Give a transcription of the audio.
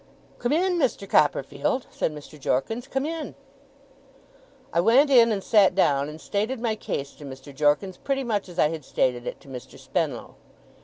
'Come in, Mr. Copperfield,' said Mr. Jorkins. 'Come in!' I went in, and sat down; and stated my case to Mr. Jorkins pretty much as I had stated it to Mr. Spenlow.